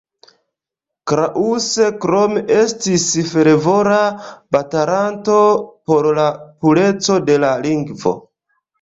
Kraus krome estis fervora batalanto por la pureco de la lingvo.